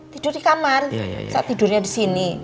tidur di kamar saat tidurnya disini